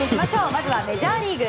まずはメジャーリーグ。